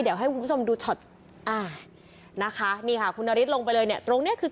เดี่ยวให้คุณผู้ชมดูช็อตนะคะนี่ค่ะคุณนาฬิตลงไปเลยเนี่ย